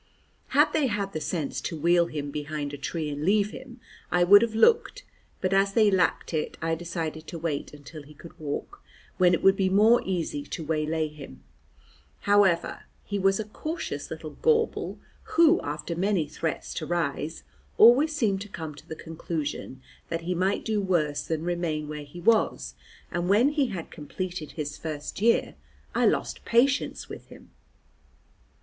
Had they had the sense to wheel him behind a tree and leave him, I would have looked, but as they lacked it, I decided to wait until he could walk, when it would be more easy to waylay him. However, he was a cautious little gorbal who, after many threats to rise, always seemed to come to the conclusion that he might do worse than remain where he was, and when he had completed his first year I lost patience with him.